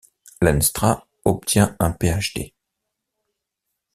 Lenstra obtient un Ph.D.